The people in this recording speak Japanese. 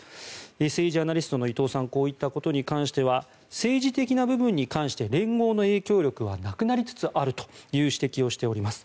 政治ジャーナリストの伊藤さんはこういったことに関しては政治的な部分に関して連合の影響力はなくなりつつあるという指摘をしております。